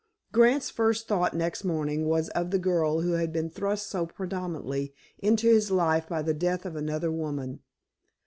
Grant's first thought next morning was of the girl who had been thrust so prominently into his life by the death of another woman.